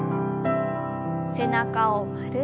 背中を丸く。